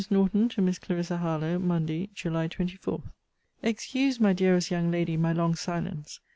NORTON, TO MISS CLARISSA HARLOWE MONDAY, JULY 24. Excuse, my dearest young lady, my long silence.